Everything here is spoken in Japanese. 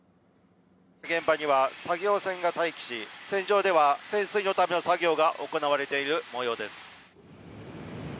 現場には作業船が待機し、船上では潜水のための作業が行われている模様です。